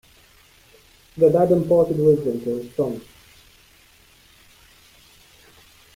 The dad imparted wisdom to his son.